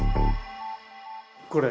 これ。